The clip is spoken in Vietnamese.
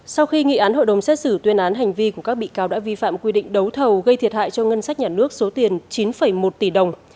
sau khi nghị án hội đồng xét xử tuyên án hành vi của các bị cáo đã vi phạm quy định đấu thầu gây thiệt hại cho ngân sách nhà nước số tiền chín một tỷ đồng